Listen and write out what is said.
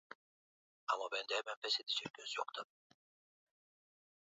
Twendeni kwetu ama kwao.